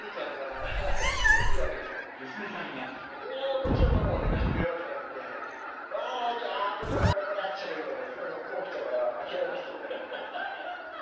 それはもちろんパパを寝かしてくれるわけがなくてワーッギャーベラベラベラってしゃべるとねそれは起きちゃうから諦めましたね。